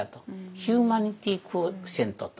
ヒューマニティクオシェントと。